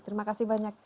terima kasih banyak